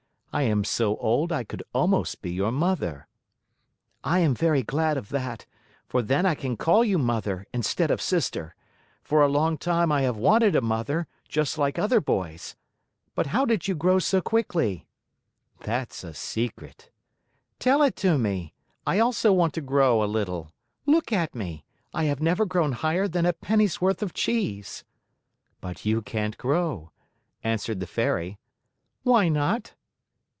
I am so old, I could almost be your mother!" "I am very glad of that, for then I can call you mother instead of sister. For a long time I have wanted a mother, just like other boys. But how did you grow so quickly?" "That's a secret!" "Tell it to me. I also want to grow a little. Look at me! I have never grown higher than a penny's worth of cheese." "But you can't grow," answered the Fairy. "Why not?"